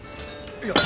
いや。